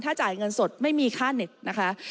ถ้าจ่ายเงินสดไม่มีค่าเน็ตนะคะ